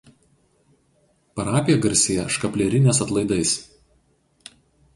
Parapija garsėja Škaplierinės atlaidais.